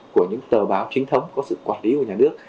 của những tờ báo chính thống có sự quản lý của nhà nước